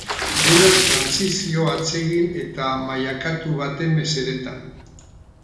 Dena trantsizio atsegin eta mailakatu baten mesedetan.